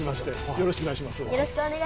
よろしくお願いします。